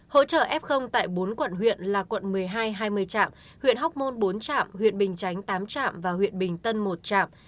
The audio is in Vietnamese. hỗ trợ f tại bốn quận huyện là quận một mươi hai hai mươi trạm huyện hóc môn bốn trạm huyện bình chánh tám trạm và huyện bình tân một trạm